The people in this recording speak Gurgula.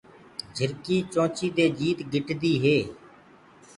جھرڪي چونچي دي جيت گِٽدي هي۔